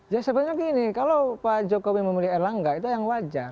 ya sebenarnya gini kalau pak jokowi memilih erlangga itu yang wajar